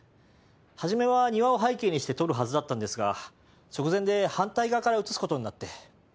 初めは庭を背景にして撮るはずだったんですが直前で反対側から映すことになって。